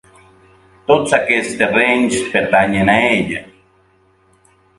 Tots aquests terrenys pertanyen a ell.